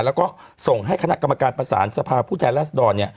แล้วก็ส่งให้คณะกรรมการประสานสภาพผู้แทนรัศดร